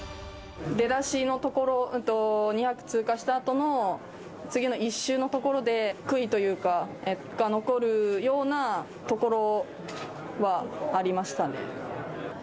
出だしのところ、２００通過したあとの次の１周のところで、悔いというか、が残るようなところはありましたね。